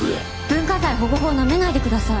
文化財保護法をなめないでください。